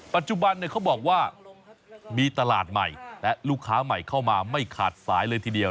ปัจจุบันเขาบอกว่ามีตลาดใหม่และลูกค้าใหม่เข้ามาไม่ขาดสายเลยทีเดียว